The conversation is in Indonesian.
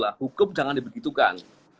hukum jangan dibegitukan